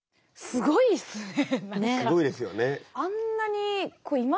すごいですよね。